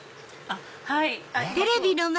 はい。